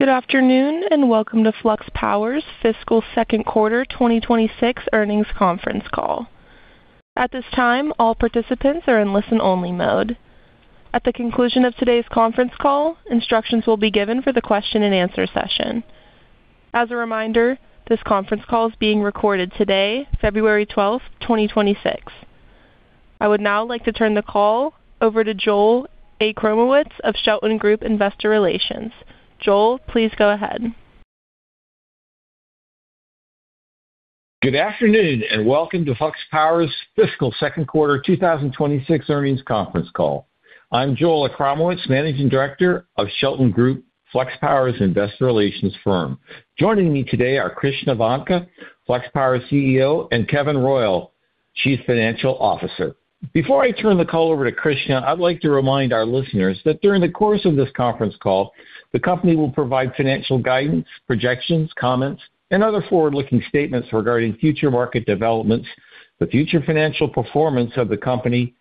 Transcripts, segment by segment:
Good afternoon, and welcome to Flux Power's Fiscal Second Quarter 2026 Earnings Conference Call. At this time, all participants are in listen-only mode. At the conclusion of today's conference call, instructions will be given for the question and answer session. As a reminder, this conference call is being recorded today, February 12, 2026. I would now like to turn the call over to Joel Achramowicz of Shelton Group Investor Relations. Joel, please go ahead. Good afternoon, and welcome to Flux Power's Fiscal Second Quarter 2026 Earnings Conference Call. I'm Joel Achramowicz, Managing Director of Shelton Group, Flux Power's investor relations firm. Joining me today are Krishna Vanka, Flux Power CEO, and Kevin Royal, Chief Financial Officer. Before I turn the call over to Krishna, I'd like to remind our listeners that during the course of this conference call, the company will provide financial guidance, projections, comments, and other forward-looking statements regarding future market developments, the future financial performance of the company,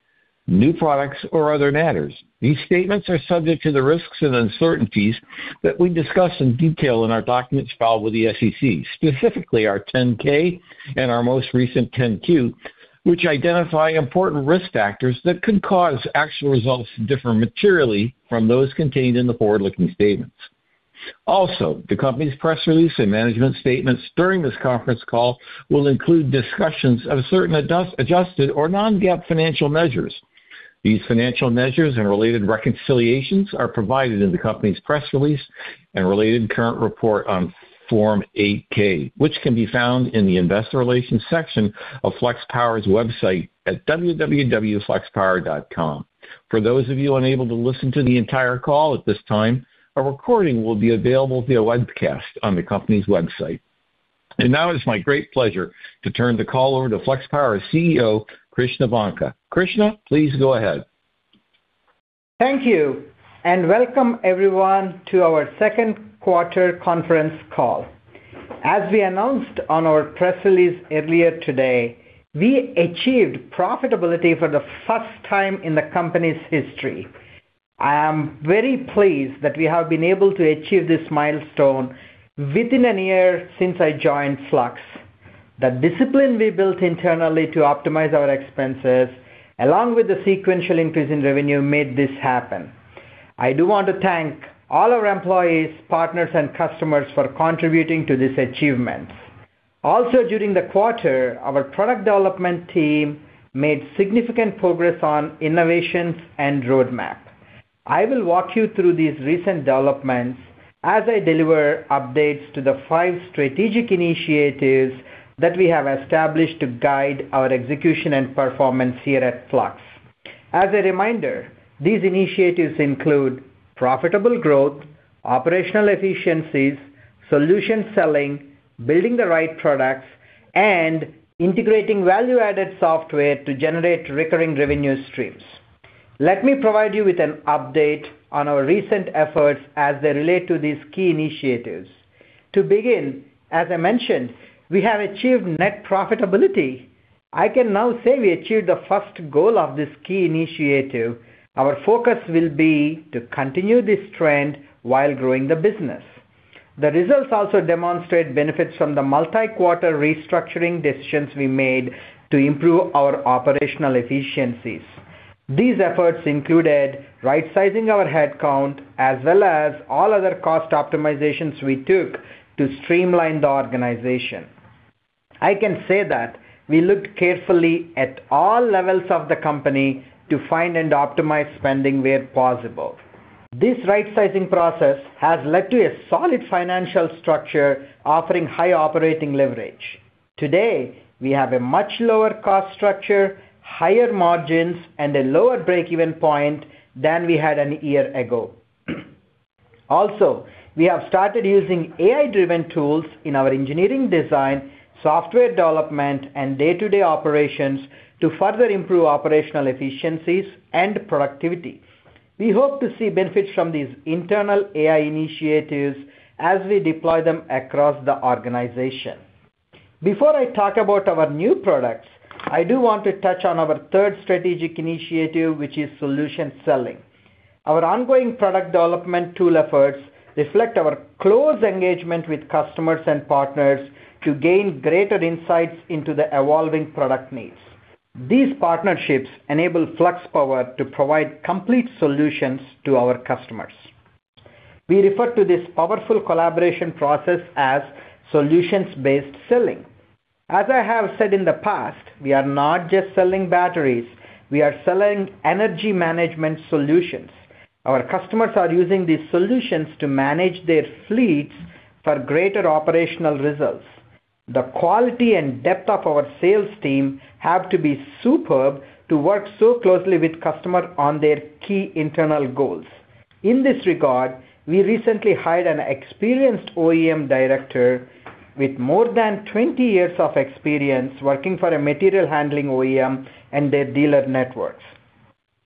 new products, or other matters. These statements are subject to the risks and uncertainties that we discuss in detail in our documents filed with the SEC, specifically our 10-K and our most recent 10-Q, which identify important risk factors that could cause actual results to differ materially from those contained in the forward-looking statements. Also, the company's press release and management statements during this conference call will include discussions of certain adjusted or non-GAAP financial measures. These financial measures and related reconciliations are provided in the company's press release and related current report on Form 8-K, which can be found in the investor relations section of Flux Power's website at www.fluxpower.com. For those of you unable to listen to the entire call at this time, a recording will be available via webcast on the company's website. Now it's my great pleasure to turn the call over to Flux Power's CEO, Krishna Vanka. Krishna, please go ahead. Thank you, and welcome everyone to our second quarter conference call. As we announced on our press release earlier today, we achieved profitability for the first time in the company's history. I am very pleased that we have been able to achieve this milestone within a year since I joined Flux. The discipline we built internally to optimize our expenses, along with the sequential increase in revenue, made this happen. I do want to thank all our employees, partners, and customers for contributing to this achievement. Also, during the quarter, our product development team made significant progress on innovations and roadmap. I will walk you through these recent developments as I deliver updates to the five strategic initiatives that we have established to guide our execution and performance here at Flux. As a reminder, these initiatives include profitable growth, operational efficiencies, solution selling, building the right products, and integrating value-added software to generate recurring revenue streams. Let me provide you with an update on our recent efforts as they relate to these key initiatives. To begin, as I mentioned, we have achieved net profitability. I can now say we achieved the first goal of this key initiative. Our focus will be to continue this trend while growing the business. The results also demonstrate benefits from the multi-quarter restructuring decisions we made to improve our operational efficiencies. These efforts included right sizing our headcount as well as all other cost optimizations we took to streamline the organization. I can say that we looked carefully at all levels of the company to find and optimize spending where possible. This right-sizing process has led to a solid financial structure offering high operating leverage. Today, we have a much lower cost structure, higher margins, and a lower break-even point than we had a year ago. Also, we have started using AI-driven tools in our engineering design, software development, and day-to-day operations to further improve operational efficiencies and productivity. We hope to see benefits from these internal AI initiatives as we deploy them across the organization. Before I talk about our new products, I do want to touch on our third strategic initiative, which is solution selling. Our ongoing product development tool efforts reflect our close engagement with customers and partners to gain greater insights into the evolving product needs. These partnerships enable Flux Power to provide complete solutions to our customers. We refer to this powerful collaboration process as solutions-based selling. As I have said in the past, we are not just selling batteries; we are selling energy management solutions. Our customers are using these solutions to manage their fleets for greater operational results. The quality and depth of our sales team have to be superb to work so closely with customers on their key internal goals. In this regard, we recently hired an experienced OEM director with more than 20 years of experience working for a material handling OEM and their dealer networks.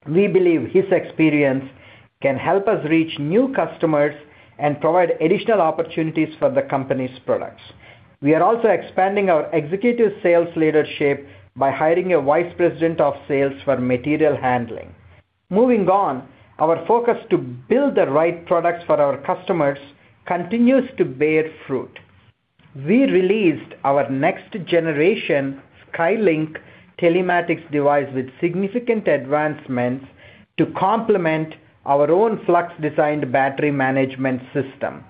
We believe his experience can help us reach new customers and provide additional opportunities for the company's products. We are also expanding our executive sales leadership by hiring a vice president of sales for material handling. Moving on, our focus to build the right products for our customers continues to bear fruit. We released our next-generation SkyLink telematics device with significant advancements to complement our own Flux-designed battery management system.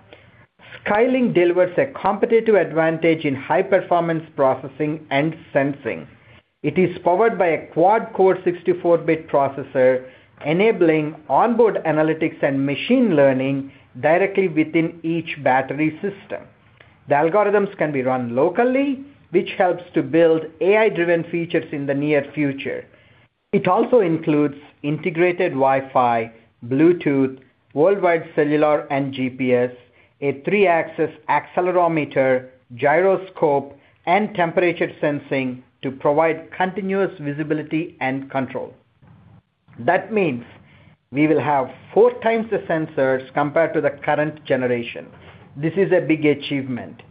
SkyLink delivers a competitive advantage in high-performance processing and sensing. It is powered by a quad-core 64-bit processor, enabling onboard analytics and machine learning directly within each battery system. The algorithms can be run locally, which helps to build AI-driven features in the near future. It also includes integrated Wi-Fi, Bluetooth, worldwide cellular and GPS, a three-axis accelerometer, gyroscope, and temperature sensing to provide continuous visibility and control. That means we will have four times the sensors compared to the current generation. This is a big achievement.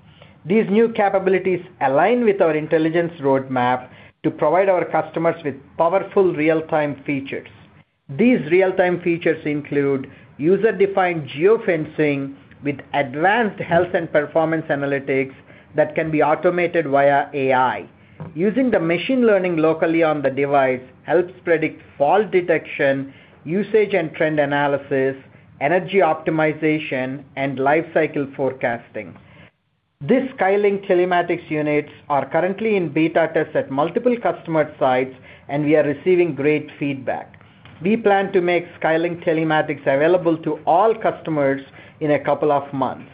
These new capabilities align with our intelligence roadmap to provide our customers with powerful real-time features. These real-time features include user-defined geo-fencing, with advanced health and performance analytics that can be automated via AI. Using the machine learning locally on the device, helps predict fault detection, usage and trend analysis, energy optimization, and life cycle forecasting. These SkyLink telematics units are currently in beta test at multiple customer sites, and we are receiving great feedback. We plan to make SkyLink telematics available to all customers in a couple of months.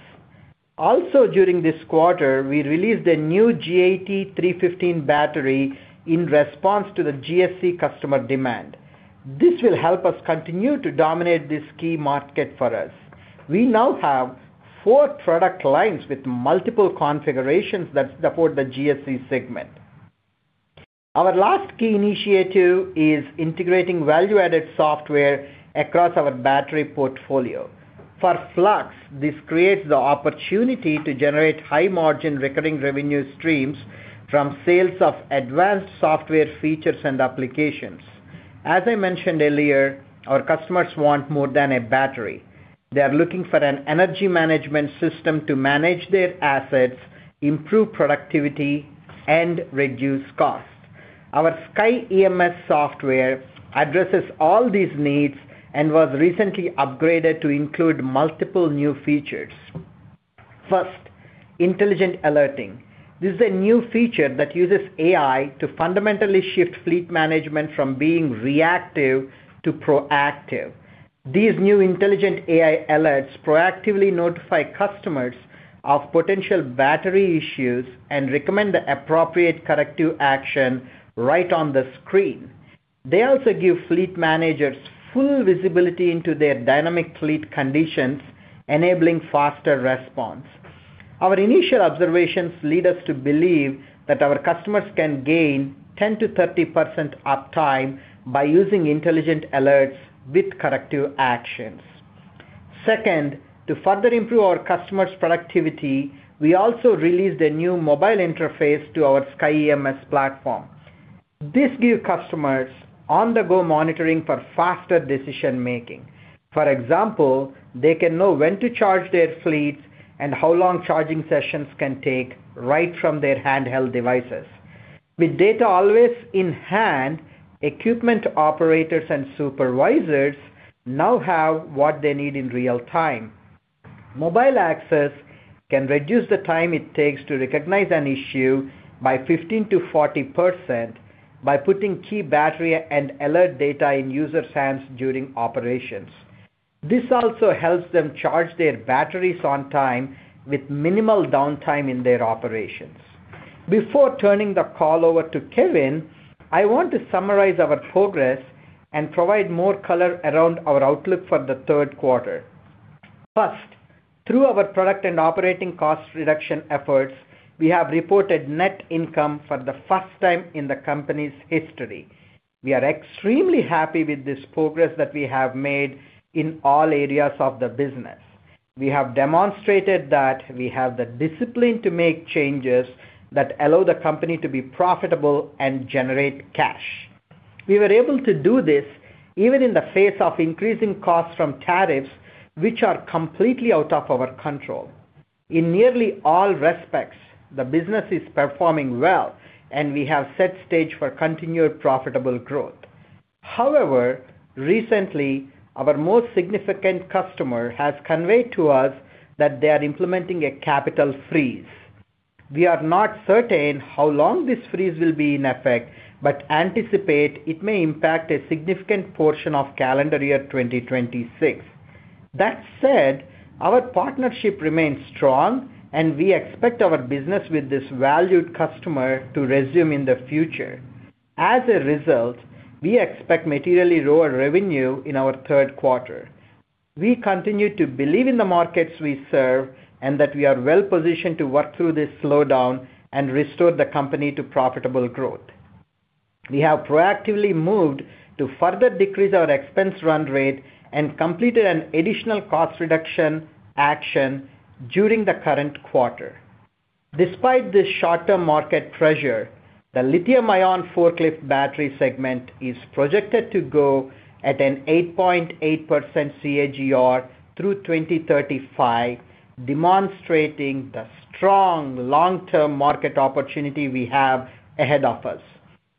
Also, during this quarter, we released a new GAT 315 battery in response to the GSE customer demand. This will help us continue to dominate this key market for us. We now have four product lines with multiple configurations that support the GSE segment. Our last key initiative is integrating value-added software across our battery portfolio. For Flux, this creates the opportunity to generate high-margin, recurring revenue streams from sales of advanced software features and applications. As I mentioned earlier, our customers want more than a battery. They are looking for an energy management system to manage their assets, improve productivity, and reduce cost. Our SkyEMS software addresses all these needs and was recently upgraded to include multiple new features. First, intelligent alerting. This is a new feature that uses AI to fundamentally shift fleet management from being reactive to proactive. These new intelligent AI alerts proactively notify customers of potential battery issues and recommend the appropriate corrective action right on the screen. They also give fleet managers full visibility into their dynamic fleet conditions, enabling faster response. Our initial observations lead us to believe that our customers can gain 10%-30% uptime by using intelligent alerts with corrective actions. Second, to further improve our customers' productivity, we also released a new mobile interface to our SkyEMS platform. This give customers on-the-go monitoring for faster decision-making. For example, they can know when to charge their fleets and how long charging sessions can take right from their handheld devices. With data always in hand, equipment operators and supervisors now have what they need in real time. Mobile access can reduce the time it takes to recognize an issue by 15%-40% by putting key battery and alert data in users' hands during operations. This also helps them charge their batteries on time with minimal downtime in their operations. Before turning the call over to Kevin, I want to summarize our progress and provide more color around our outlook for the third quarter. First, through our product and operating cost reduction efforts, we have reported net income for the first time in the company's history. We are extremely happy with this progress that we have made in all areas of the business. We have demonstrated that we have the discipline to make changes that allow the company to be profitable and generate cash. We were able to do this even in the face of increasing costs from tariffs, which are completely out of our control. In nearly all respects, the business is performing well, and we have set stage for continued profitable growth. However, recently, our most significant customer has conveyed to us that they are implementing a capital freeze. We are not certain how long this freeze will be in effect, but anticipate it may impact a significant portion of calendar year 2026. That said, our partnership remains strong, and we expect our business with this valued customer to resume in the future. As a result, we expect materially lower revenue in our third quarter. We continue to believe in the markets we serve, and that we are well-positioned to work through this slowdown and restore the company to profitable growth. We have proactively moved to further decrease our expense run rate and completed an additional cost reduction action during the current quarter. Despite this short-term market pressure, the lithium-ion forklift battery segment is projected to go at an 8.8% CAGR through 2035, demonstrating the strong long-term market opportunity we have ahead of us.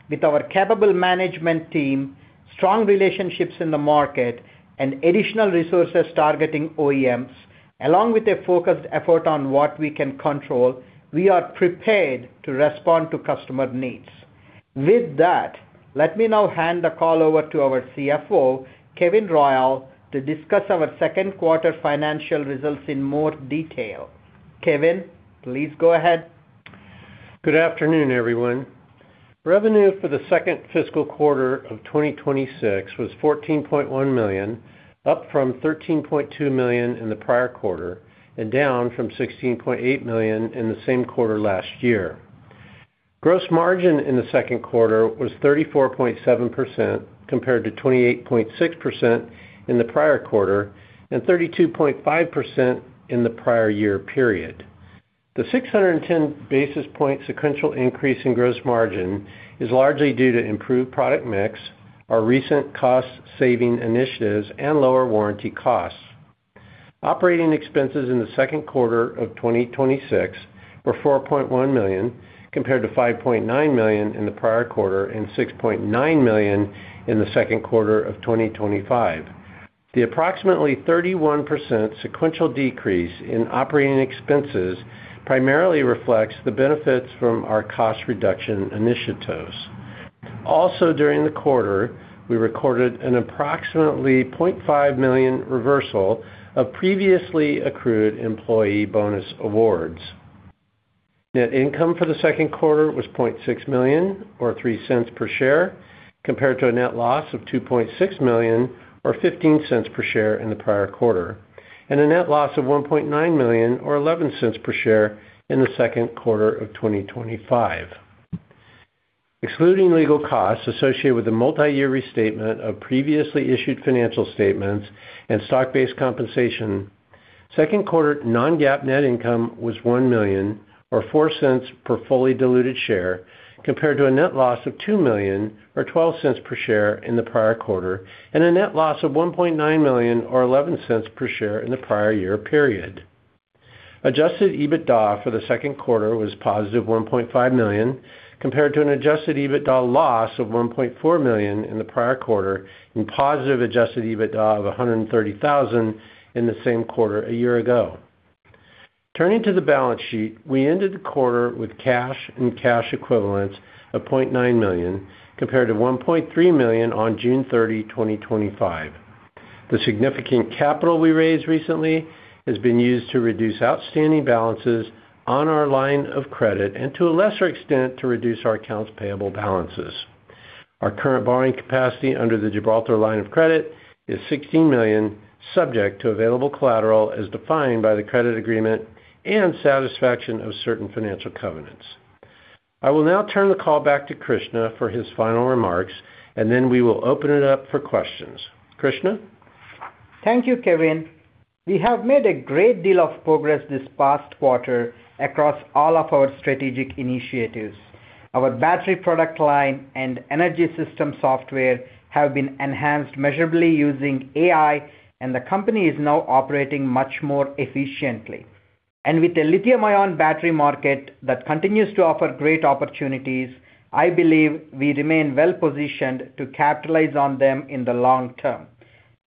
With our capable management team, strong relationships in the market, and additional resources targeting OEMs, along with a focused effort on what we can control, we are prepared to respond to customer needs. With that, let me now hand the call over to our CFO, Kevin Royal, to discuss our second quarter financial results in more detail. Kevin, please go ahead. Good afternoon, everyone. Revenue for the second fiscal quarter of 2026 was $14.1 million, up from $13.2 million in the prior quarter, and down from $16.8 million in the same quarter last year. Gross margin in the second quarter was 34.7%, compared to 28.6% in the prior quarter, and 32.5% in the prior year period. The 610 basis point sequential increase in gross margin is largely due to improved product mix, our recent cost-saving initiatives, and lower warranty costs. Operating expenses in the second quarter of 2026 were $4.1 million, compared to $5.9 million in the prior quarter and $6.9 million in the second quarter of 2025. The approximately 31% sequential decrease in operating expenses primarily reflects the benefits from our cost reduction initiatives. Also, during the quarter, we recorded an approximately $0.5 million reversal of previously accrued employee bonus awards. Net income for the second quarter was $0.6 million, or $0.03 per share, compared to a net loss of $2.6 million, or $0.15 per share in the prior quarter, and a net loss of $1.9 million, or $0.11 per share in the second quarter of 2025. Excluding legal costs associated with the multi-year restatement of previously issued financial statements and stock-based compensation, second quarter non-GAAP net income was $1 million, or $0.04 per fully diluted share, compared to a net loss of $2 million, or $0.12 per share in the prior quarter, and a net loss of $1.9 million, or $0.11 per share in the prior year period. Adjusted EBITDA for the second quarter was positive $1.5 million, compared to an adjusted EBITDA loss of $1.4 million in the prior quarter, and positive adjusted EBITDA of $130,000 in the same quarter a year ago. Turning to the balance sheet, we ended the quarter with cash and cash equivalents of $0.9 million, compared to $1.3 million on June 30, 2025. The significant capital we raised recently has been used to reduce outstanding balances on our line of credit and, to a lesser extent, to reduce our accounts payable balances. Our current borrowing capacity under the Gibraltar line of credit is $16 million, subject to available collateral as defined by the credit agreement and satisfaction of certain financial covenants. I will now turn the call back to Krishna for his final remarks, and then we will open it up for questions. Krishna? Thank you, Kevin. We have made a great deal of progress this past quarter across all of our strategic initiatives. Our battery product line and energy system software have been enhanced measurably using AI, and the company is now operating much more efficiently. With the lithium-ion battery market that continues to offer great opportunities, I believe we remain well positioned to capitalize on them in the long term.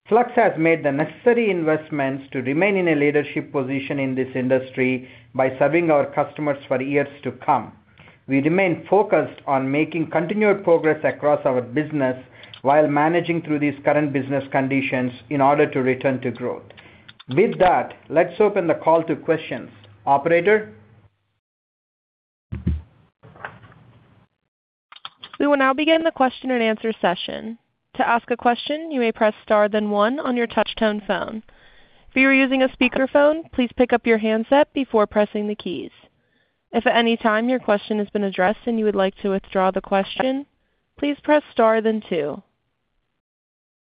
Flux has made the necessary investments to remain in a leadership position in this industry by serving our customers for years to come. We remain focused on making continued progress across our business while managing through these current business conditions in order to return to growth. With that, let's open the call to questions. Operator? We will now begin the question and answer session. To ask a question, you may press star then one on your touchtone phone. If you are using a speakerphone, please pick up your handset before pressing the keys. If at any time your question has been addressed and you would like to withdraw the question, please press star then two.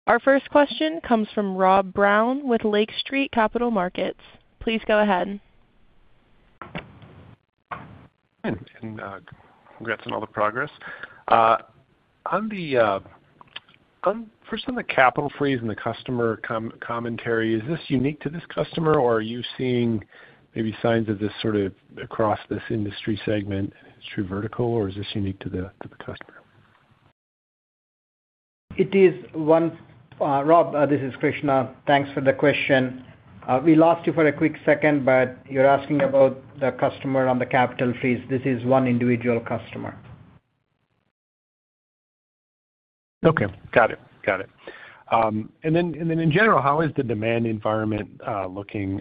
Our first question comes from Rob Brown with Lake Street Capital Markets. Please go ahead. Congrats on all the progress. First, on the capital freeze and the customer commentary, is this unique to this customer, or are you seeing maybe signs of this sort of across this industry segment and its true vertical, or is this unique to the customer? It is one, Rob, this is Krishna. Thanks for the question. We lost you for a quick second, but you're asking about the customer on the capital freeze. This is one individual customer. Okay, got it. Got it. And then in general, how is the demand environment looking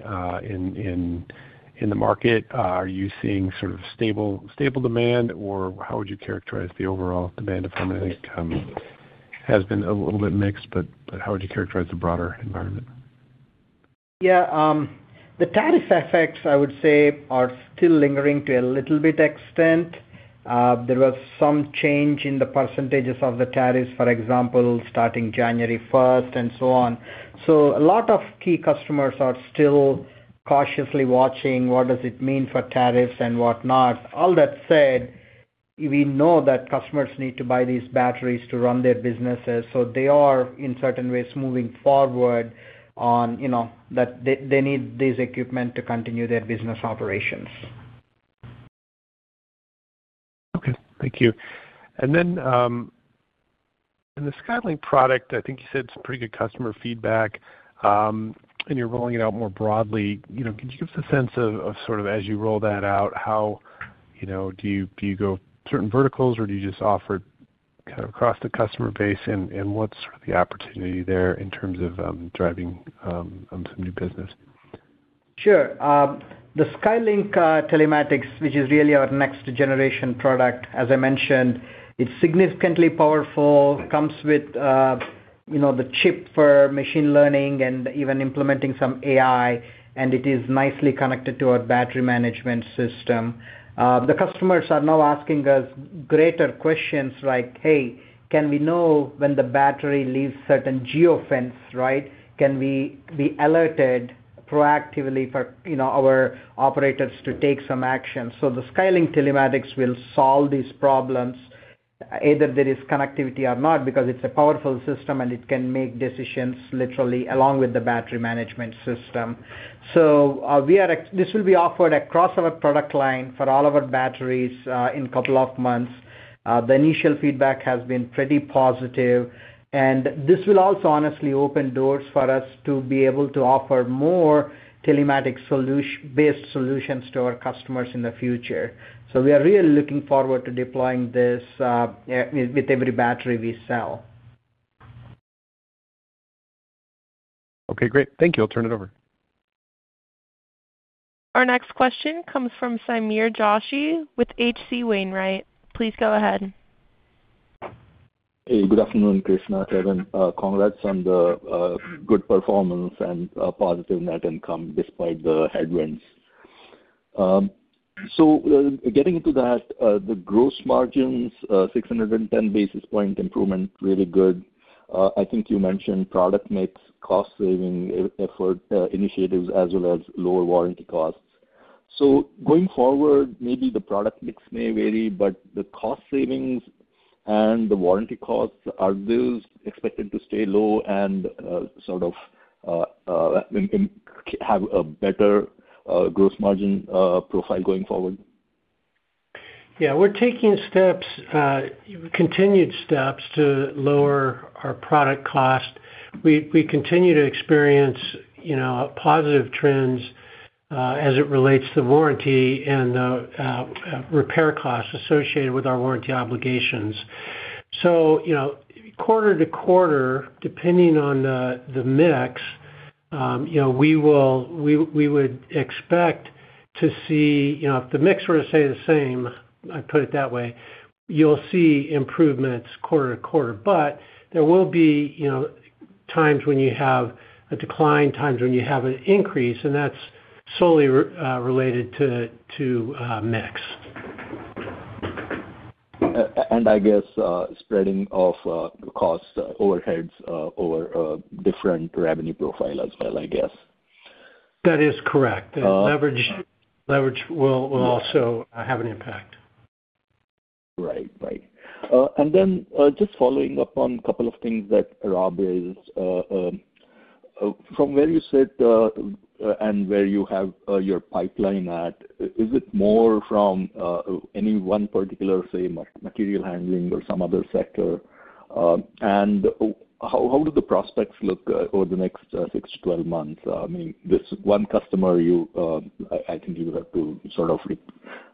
in the market? Are you seeing sort of stable demand, or how would you characterize the overall demand environment? Has been a little bit mixed, but how would you characterize the broader environment? Yeah, the tariff effects, I would say, are still lingering to a little bit extent. There was some change in the percentages of the tariffs, for example, starting January 1st and so on. So a lot of key customers are still cautiously watching what does it mean for tariffs and whatnot. All that said, we know that customers need to buy these batteries to run their businesses, so they are, in certain ways, moving forward on, you know, that they, they need this equipment to continue their business operations. Okay, thank you. And then, in the SkyLink product, I think you said some pretty good customer feedback, and you're rolling it out more broadly. You know, can you give us a sense of sort of as you roll that out, how, you know, do you go certain verticals, or do you just offer kind of across the customer base? And what's the opportunity there in terms of driving some new business? Sure. The SkyLink telematics, which is really our next generation product, as I mentioned, it's significantly powerful. Comes with, you know, the chip for machine learning and even implementing some AI, and it is nicely connected to our battery management system. The customers are now asking us greater questions like, "Hey, can we know when the battery leaves certain geo-fence, right? Can we be alerted proactively for, you know, our operators to take some action?" So the SkyLink telematics will solve these problems, either there is connectivity or not, because it's a powerful system, and it can make decisions literally along with the battery management system. So, this will be offered across our product line for all of our batteries, in couple of months. The initial feedback has been pretty positive, and this will also honestly open doors for us to be able to offer more telematics solution-based solutions to our customers in the future. So we are really looking forward to deploying this, with, with every battery we sell. Okay, great. Thank you. I'll turn it over. Our next question comes from Sameer Joshi with H.C. Wainwright. Please go ahead. Hey, good afternoon, Krishna, Kevin. Congrats on the good performance and positive net income despite the headwinds. So getting into that, the gross margins, 610 basis point improvement, really good. I think you mentioned product mix, cost saving effort initiatives, as well as lower warranty costs. So going forward, maybe the product mix may vary, but the cost savings and the warranty costs, are those expected to stay low and sort of and have a better gross margin profile going forward? Yeah, we're taking steps, continued steps to lower our product cost. We continue to experience, you know, positive trends as it relates to warranty and repair costs associated with our warranty obligations. So, you know, quarter-to-quarter, depending on the mix, you know, we will, we would expect to see, you know, if the mix were to stay the same, I'd put it that way, you'll see improvements quarter to quarter. But there will be, you know, times when you have a decline, times when you have an increase, and that's solely related to mix. And I guess, spreading of costs, overheads over different revenue profile as well, I guess. That is correct. Uh- Leverage will also have an impact. Right. Right. And then, just following up on a couple of things that Rob raised. From where you sit, and where you have your pipeline at, is it more from any one particular, say, material handling or some other sector? And how do the prospects look over the next six, 12 months? I mean, this one customer you, I think you will have to sort of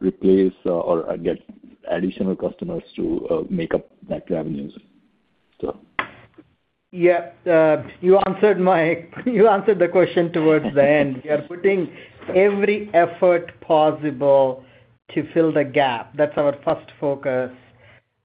replace or get additional customers to make up that revenues. So... Yeah. You answered the question towards the end. We are putting every effort possible to fill the gap. That's our first focus.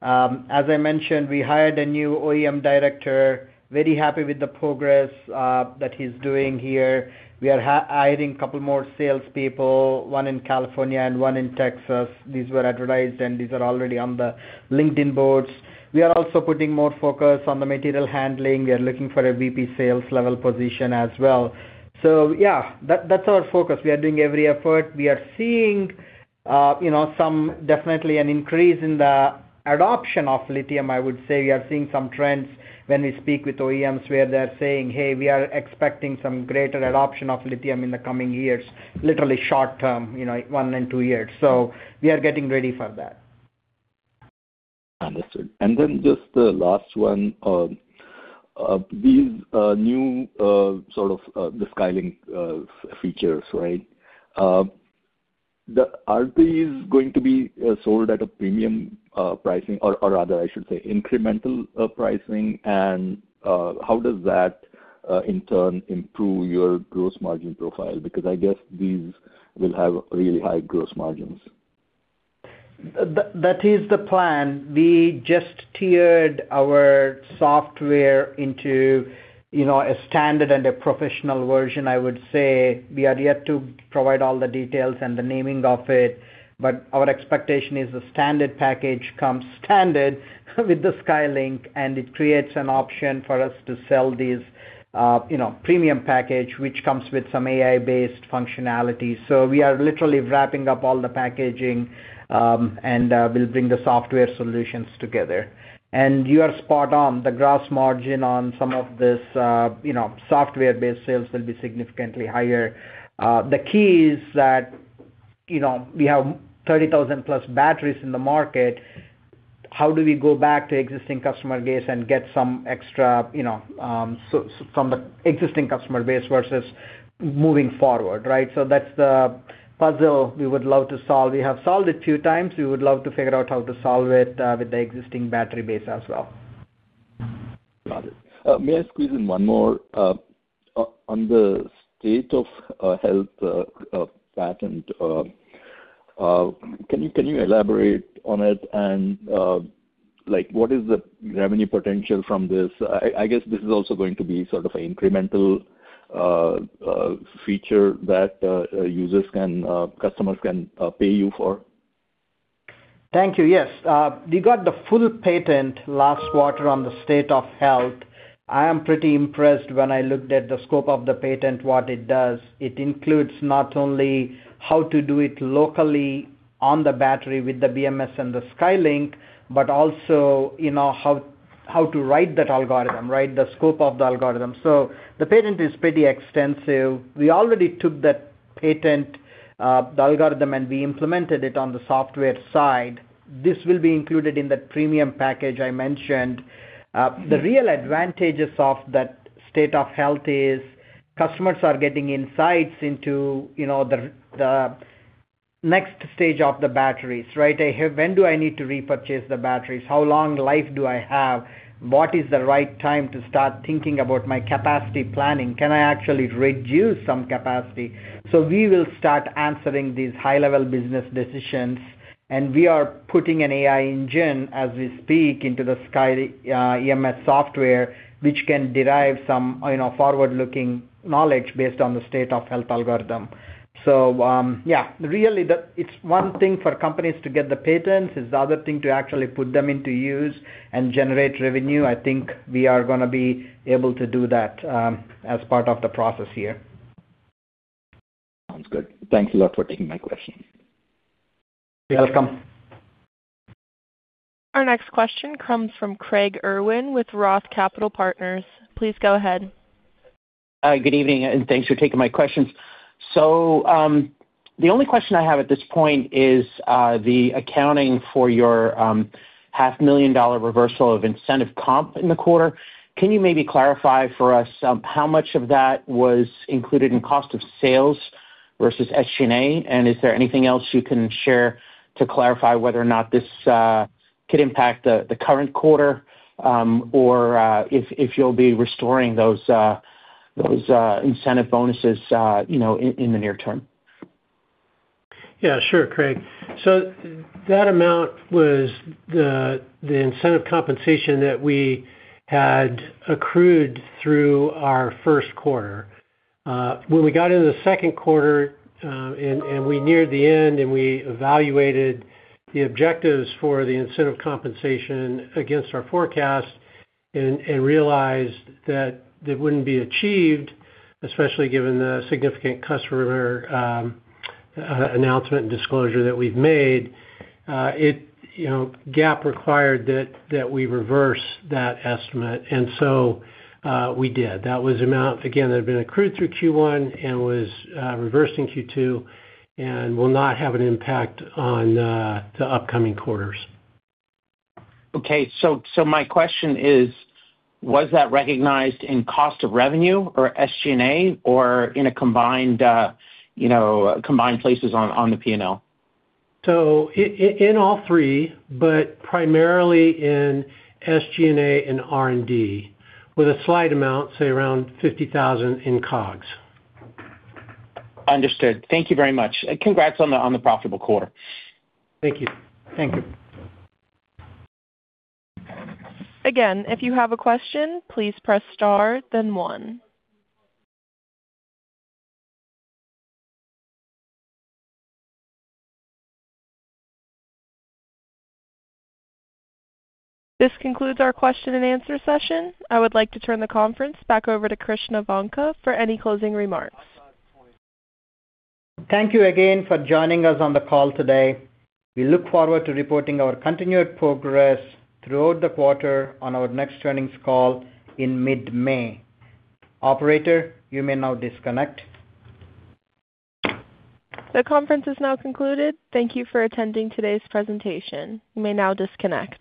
As I mentioned, we hired a new OEM director, very happy with the progress that he's doing here. We are adding a couple more salespeople, one in California and one in Texas. These were advertised, and these are already on the LinkedIn boards. We are also putting more focus on the material handling. We are looking for a VP sales level position as well. So yeah, that's our focus. We are doing every effort. We are seeing, you know, some definitely an increase in the adoption of lithium, I would say. We are seeing some trends when we speak with OEMs, where they're saying, "Hey, we are expecting some greater adoption of lithium in the coming years," literally short term, you know, one and two years. So we are getting ready for that. Understood. Then just the last one. These new sort of the SkyLink features, right? Are these going to be sold at a premium pricing or rather, I should say, incremental pricing? And how does that in turn improve your gross margin profile? Because I guess these will have really high gross margins. ... That is the plan. We just tiered our software into, you know, a standard and a professional version, I would say. We are yet to provide all the details and the naming of it, but our expectation is the standard package comes standard with the SkyLink, and it creates an option for us to sell these, you know, premium package, which comes with some AI-based functionality. So we are literally wrapping up all the packaging, and, we'll bring the software solutions together. And you are spot on. The gross margin on some of this, you know, software-based sales will be significantly higher. The key is that, you know, we have 30,000+ batteries in the market. How do we go back to existing customer base and get some extra, you know, from the existing customer base versus moving forward, right? So that's the puzzle we would love to solve. We have solved it two times. We would love to figure out how to solve it, with the existing battery base as well. Got it. May I squeeze in one more? On the State of Health patent, can you elaborate on it? And, like, what is the revenue potential from this? I guess this is also going to be sort of an incremental feature that users can, customers can pay you for. Thank you. Yes. We got the full patent last quarter on the State of Health. I am pretty impressed when I looked at the scope of the patent, what it does. It includes not only how to do it locally on the battery with the BMS and the SkyLink, but also, you know, how to write that algorithm, right? The scope of the algorithm. So the patent is pretty extensive. We already took that patent, the algorithm, and we implemented it on the software side. This will be included in the premium package I mentioned. The real advantages of that State of Health is customers are getting insights into, you know, the next stage of the batteries, right? When do I need to repurchase the batteries? How long life do I have? What is the right time to start thinking about my capacity planning? Can I actually reduce some capacity? So we will start answering these high-level business decisions, and we are putting an AI engine, as we speak, into the SkyEMS software, which can derive some, you know, forward-looking knowledge based on the State of Health algorithm. So, yeah, really, the - it's one thing for companies to get the patents. It's the other thing to actually put them into use and generate revenue. I think we are gonna be able to do that, as part of the process here. Sounds good. Thank you a lot for taking my question. You're welcome. Our next question comes from Craig Irwin with Roth Capital Partners. Please go ahead. Good evening, and thanks for taking my questions. So, the only question I have at this point is, the accounting for your $500,000 reversal of incentive comp in the quarter. Can you maybe clarify for us, how much of that was included in cost of sales versus SG&A? And is there anything else you can share to clarify whether or not this could impact the current quarter, or if you'll be restoring those incentive bonuses, you know, in the near term? Yeah, sure, Craig. So that amount was the incentive compensation that we had accrued through our first quarter. When we got into the second quarter, and we neared the end, and we evaluated the objectives for the incentive compensation against our forecast and realized that they wouldn't be achieved, especially given the significant customer announcement and disclosure that we've made, it you know, GAAP required that we reverse that estimate, and so we did. That was the amount, again, that had been accrued through Q1 and was reversed in Q2 and will not have an impact on the upcoming quarters. Okay, so, so my question is: Was that recognized in cost of revenue or SG&A or in a combined, you know, combined places on, on the P&L? In all three, but primarily in SG&A and R&D, with a slight amount, say around $50,000, in COGS. Understood. Thank you very much, and congrats on the, on the profitable quarter. Thank you. Thank you. Again, if you have a question, please press star, then one. This concludes our question and answer session. I would like to turn the conference back over to Krishna Vanka for any closing remarks. Thank you again for joining us on the call today. We look forward to reporting our continued progress throughout the quarter on our next earnings call in mid-May. Operator, you may now disconnect. The conference is now concluded. Thank you for attending today's presentation. You may now disconnect.